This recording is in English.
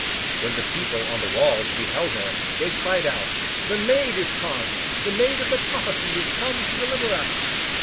When the people on the walls beheld her, they cried out 'The Maid is come! The Maid of the Prophecy is come to deliver us!